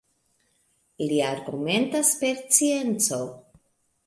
Li argumentas per scienco.